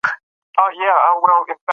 هغه سړی چې جومات پاکوي ډیر ښه صفت لري.